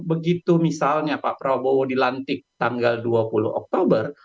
begitu misalnya pak prabowo dilantik tanggal dua puluh oktober